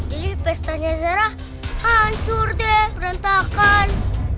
jadi pesta zara hancur deh berantakan